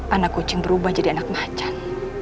anak kucing berubah jadi anak macan